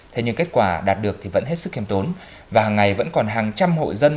thế nhưng kết quả đạt được thì vẫn hết sức khiêm tốn và hàng ngày vẫn còn hàng trăm hộ dân